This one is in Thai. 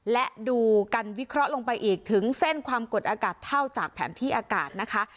และดูกันวิเคราะห์ลงไปอีกถึงเส้นความกดอากาศเท่าจากแผนที่อากาศนะคะ